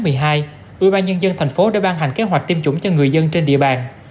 từ năm hai nghìn một mươi hai ủy ban nhân dân tp hcm đã ban hành kế hoạch tiêm chủng cho người dân trên địa bàn